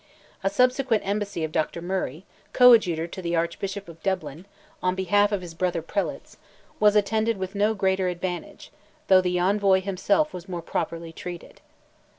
A subsequent embassy of Dr. Murray, coadjutor to the Archbishop of Dublin, on behalf of his brother prelates, was attended with no greater advantage, though the envoy himself was more properly treated.